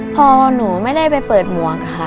พอหนูไม่ได้ไปเปิดหมวกค่ะ